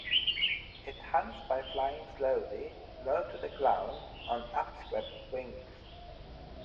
It hunts by flying slowly, low to the ground, on upswept wings.